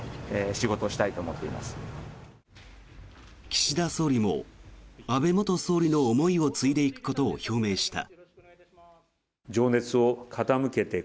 岸田総理も安倍元総理の思いを継いでいくことを表明した。